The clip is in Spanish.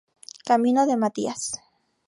Camino de Matías